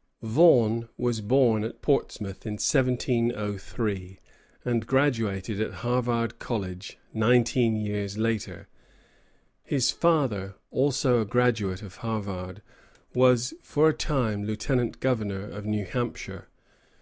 ] Vaughan was born at Portsmouth in 1703, and graduated at Harvard College nineteen years later. His father, also a graduate of Harvard, was for a time lieutenant governor of New Hampshire.